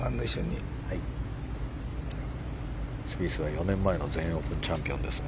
スピースは４年前の全米オープンのチャンピオンですが。